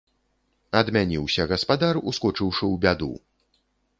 Адмяніўся гаспадар, ускочыўшы ў бяду.